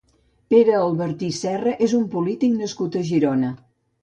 Pere Albertí Serra és un polític nascut a Girona.